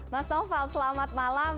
mas naufal selamat malam